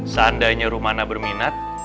seandainya rumana berminat